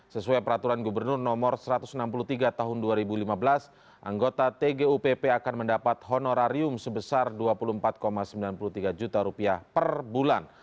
sesuai peraturan gubernur no satu ratus enam puluh tiga tahun dua ribu lima belas anggota tgupp akan mendapat honorarium sebesar rp dua puluh empat sembilan puluh tiga juta rupiah per bulan